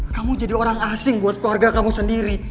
kamu jadi orang asing buat keluarga kamu sendiri